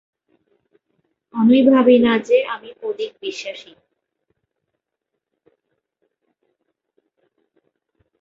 আমি ভাবি না যে আমি অধিক-বিশ্বাসী।